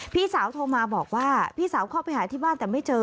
พี่สาวโทรมาบอกว่าพี่สาวเข้าไปหาที่บ้านแต่ไม่เจอ